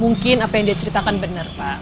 mungkin apa yang dia ceritakan benar pak